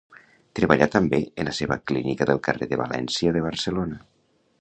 Treballà també en la seva clínica del carrer de València de Barcelona.